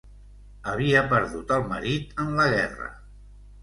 Havia perdut el marit en la guerra.